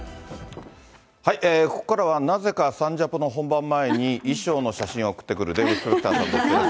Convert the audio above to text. ここからは、なぜかサンジャポの本番前に、衣装の写真を送ってくるデーブ・スペクターさんです。